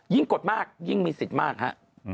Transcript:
กดมากยิ่งมีสิทธิ์มากฮะ